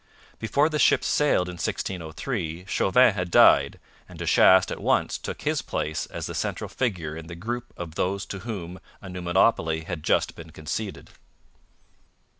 Before the ships sailed in 1603 Chauvin had died, and De Chastes at once took his place as the central figure in the group of those to whom a new monopoly had just been conceded.